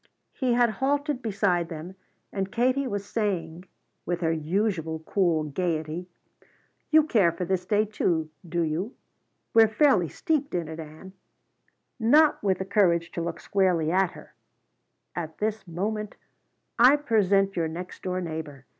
He had halted beside them and Katie was saying, with her usual cool gaiety: "You care for this day, too, do you? We're fairly steeped in it. Ann," not with the courage to look squarely at her "at this moment I present your next door neighbor.